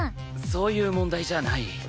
そういう問題じゃない。